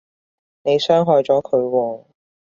你傷害咗佢喎